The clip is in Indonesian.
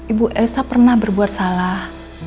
ibu elsa pernah berbuat salah